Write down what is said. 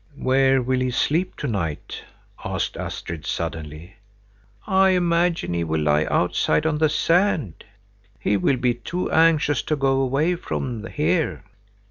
"Where will he sleep to night?" asked Astrid, suddenly. "I imagine he will lie outside on the sand. He will be too anxious to go away from here."